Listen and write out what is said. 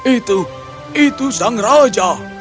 itu itu sang raja